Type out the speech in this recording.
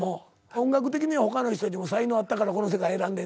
音楽的には他の人よりも才能あったからこの世界選んでんねやろからな。